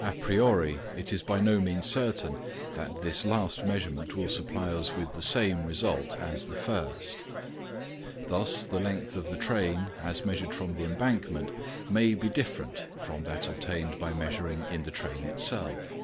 A priori it is by no means certain that this last measurement will supply us with the same result as the first. Thus the length of the train as measured from the embankment may be different from that obtained by measuring in the train itself.